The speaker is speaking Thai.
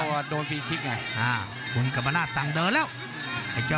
โหโหโหโหโหโหโหโหโหโห